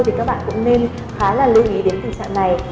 thì các bạn cũng nên khá là lưu ý đến tình trạng này